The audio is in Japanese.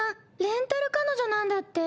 レンタル彼女なんだって？